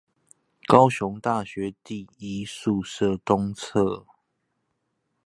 高雄大學第一宿舍東側